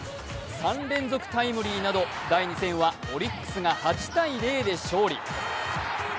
３連続タイムリーなど、第２戦はオリックスが８−０で勝利。